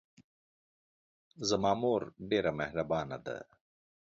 زما مور ډېره محربانه ده